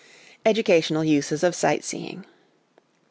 Educational Uses of Sight seeing.'